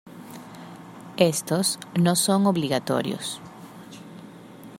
Estos no son obligatorios.